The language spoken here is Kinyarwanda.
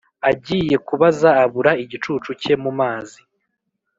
agiye kubaza abura igicucu cye mumazi